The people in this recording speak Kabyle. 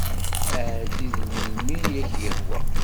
Ɛeddi-d melmi i ak-yehwa.